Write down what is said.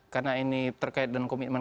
karena ini terkait dengan komitmen